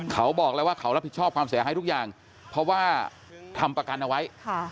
เขาบอกแล้วว่าเขารับผิดชอบความเสียหายทุกอย่างเพราะว่าทำประกันเอาไว้